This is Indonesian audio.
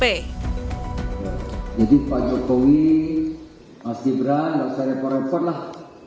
jadi pak jokowi mas gibran gak usah repot repot lah